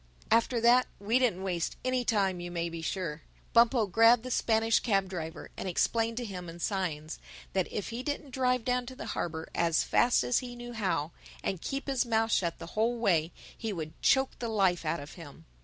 After that we didn't waste any time, you may be sure. Bumpo grabbed the Spanish cab driver and explained to him in signs that if he didn't drive down to the harbor as fast as he knew how and keep his mouth shut the whole way, he would choke the life out of him.